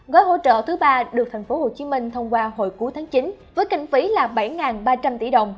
gói hỗ trợ thứ ba được tp hcm thông qua hồi cuối tháng chín với kinh phí là bảy ba trăm linh tỷ đồng